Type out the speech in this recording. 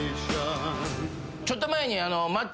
ちょっと前に。